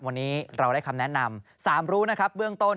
วันนี้เราได้คำแนะนำ๓รู้